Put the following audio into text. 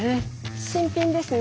新品ですね。